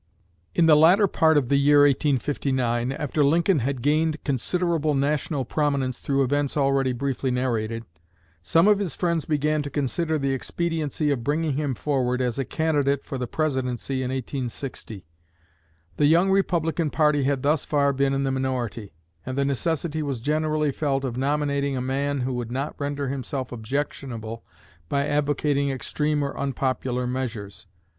In the latter part of the year 1859, after Lincoln had gained considerable national prominence through events already briefly narrated, some of his friends began to consider the expediency of bringing him forward as a candidate for the Presidency in 1860. The young Republican party had thus far been in the minority, and the necessity was generally felt of nominating a man who would not render himself objectionable by advocating extreme or unpopular measures.